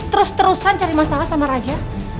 terus terusan cari masalah sama raja